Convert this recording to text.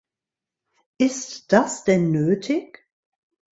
Ist das denn nötig?